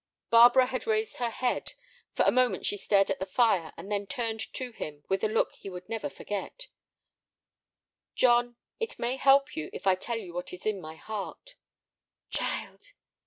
Barbara had raised her head. For a moment she stared at the fire and then turned to him with a look he would never forget. "John, it may help you if I tell you what is in my heart." "Child!"